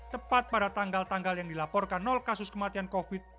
tepat pada tanggal tanggal yang dilaporkan nol kasus kematian covid